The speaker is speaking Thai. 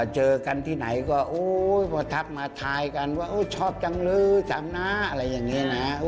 เจอกันที่ไหนก็พอทักมาทายกันว่าชอบจังเลยถามนะอะไรอย่างนี้นะ